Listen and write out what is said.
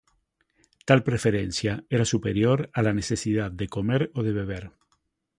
Tal preferencia era superior a la necesidad de comer o de beber.